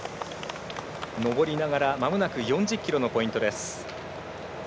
上りながらまもなく４０ｋｍのポイントです。